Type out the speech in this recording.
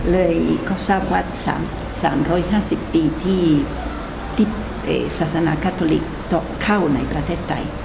เลยเขาสร้างวัด๓๕๐ปีที่ทิศภาษณาคาทอลิกเติบเข้าในประเทศไทย